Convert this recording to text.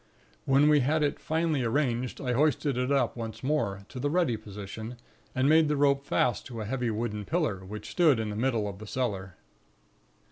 When we had it finally arranged, I hoisted it up once more, to the ready position, and made the rope fast to a heavy wooden pillar, which stood in the middle of the cellar.